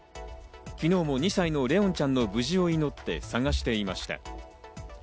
昨日も２歳の怜音ちゃんの無事を祈って捜していました。